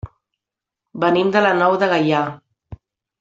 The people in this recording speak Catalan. Venim de la Nou de Gaià.